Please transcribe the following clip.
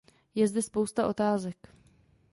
Je zde spousta otázek.